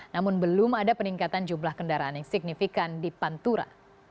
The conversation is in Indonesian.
namun belum ada peningkatan jumlah kendaraan yang signifikan di pantura